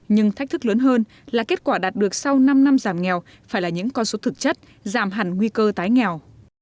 nhưng thách thức lớn hơn là kết quả đạt được sau năm năm giảm nghèo phải là những con số thực chất giảm hẳn nguy cơ tái nghèo